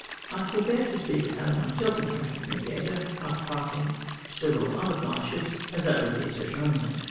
! I forbear to speak of having myself encountered the Mediator after passing several other fireships, as that would be assertion only.